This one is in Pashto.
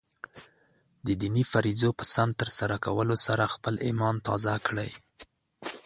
د دیني فریضو په سم ترسره کولو سره خپله ایمان تازه کړئ.